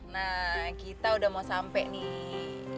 nah kita udah mau sampai nih